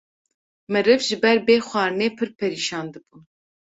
Meriv ji ber bê xwarinê pirr perîşan dibûn.